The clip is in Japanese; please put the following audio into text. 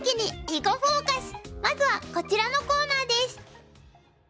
まずはこちらのコーナーです。